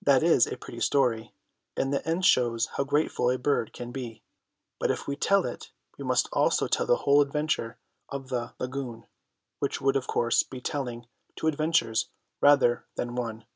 That is a pretty story, and the end shows how grateful a bird can be; but if we tell it we must also tell the whole adventure of the lagoon, which would of course be telling two adventures rather than just one.